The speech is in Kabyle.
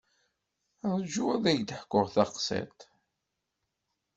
Rju ad k-d-ḥkuɣ taqsiṭ.